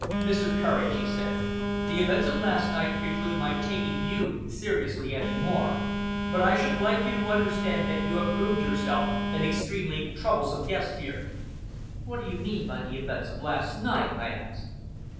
"Mr. Courage," he said, "the events of last night preclude my taking you seriously any more; but I should like you to understand that you have proved yourself an extremely troublesome guest here." "What do you mean by the events of last night?" I asked.